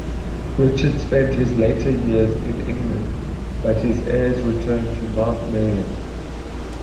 Richard spent his later years in England, but his heirs returned to Mount Merrion.